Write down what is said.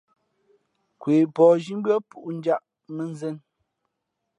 Nkwe pα̌h zhí mbʉ́ά pūꞌ njāꞌ mᾱnzēn.